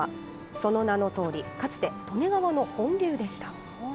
その名のとおり、かつて、利根川の本流でした。